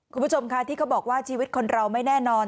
คุณผู้ชมค่ะที่เขาบอกว่าชีวิตคนเราไม่แน่นอน